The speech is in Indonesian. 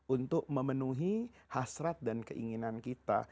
untuk memenuhi hasrat dan keinginan kita